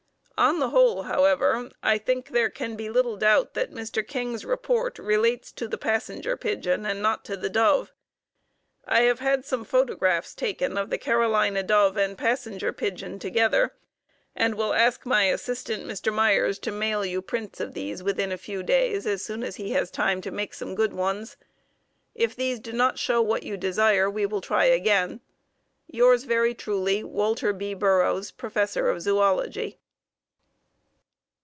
On the whole, however, I think there can be little doubt that Mr. King's report relates to the Passenger Pigeon and not to the dove. I have had some photographs taken of the Carolina dove and Passenger Pigeon together, and will ask my assistant, Mr. Myers, to mail you prints of these within a few days as soon as he has time to make some good ones. If these do not show what you desire we will try again. Yours very truly, Walter B. Burrows, _Professor of Zoology.